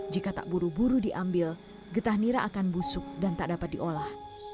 jika tak buru buru diambil getah nira akan busuk dan tak dapat diolah